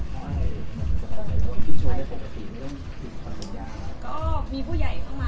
ก็มีผู้ใหญ่เข้ามาแต่ตอนนี้มีผู้ใหญ่เข้ามา